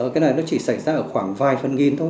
cái này nó chỉ xảy ra ở khoảng vài phần nghìn thôi